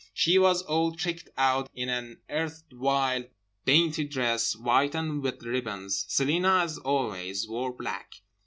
She was all tricked out in an erstwhile dainty dress, white, and with ribbons. Celina (as always) wore black.